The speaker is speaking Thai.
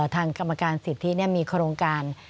ทางกรรมการสิทธิมีโครงการ